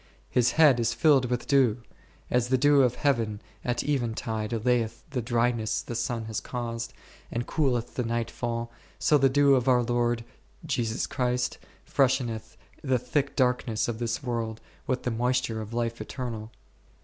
My head is filled icith deiv ; as the dew of heaven at even tide allayeth the dryness the sun has caused, and cooleth the night fall, so the dew of our Lord, Jesus Christ, fresheneth the thick darkness of this world with the moisture of life eternal.